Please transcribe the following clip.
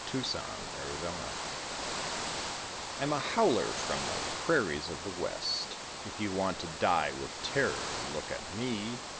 THE BOOZER I'm a howler from the prairies of the West. If you want to die with terror, look at me.